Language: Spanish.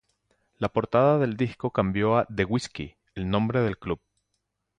La portada del disco cambió a "The Whisky" el nombre del club.